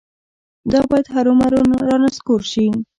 دا باید هرومرو رانسکور شي.